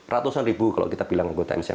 ratusan ribu kalau kita bilang anggota mpr